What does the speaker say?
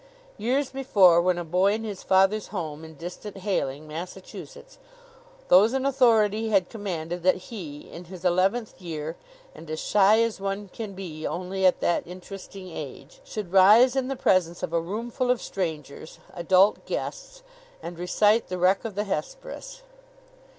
Years before, when a boy in his father's home in distant Hayling, Massachusetts, those in authority had commanded that he in his eleventh year and as shy as one can be only at that interesting age should rise in the presence of a roomful of strangers, adult guests, and recite "The Wreck of the Hesperus."